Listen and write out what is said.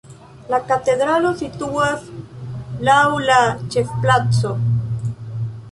La katedralo situas laŭ la ĉefplaco.